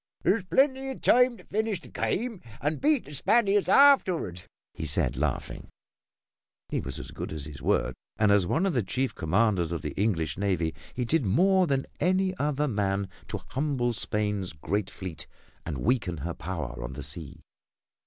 "There's plenty of time to finish the game and beat the Spaniards afterward," he said, laughing. He was as good as his word, and as one of the chief commanders of the English navy, he did more than any other man to humble Spain's great fleet and weaken her power on the sea.